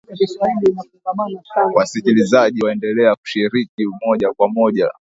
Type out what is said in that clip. Wasikilizaji waendelea kushiriki moja kwa moja